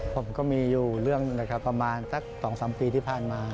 ผมก็มีอยู่เรื่องประมาณสัก๒๓ปีที่ผ่านมา